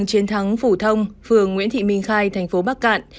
chiến thắng phủ thông phường nguyễn thị minh khai tp bắc cạn